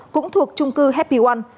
cũng thuộc trung cư happy one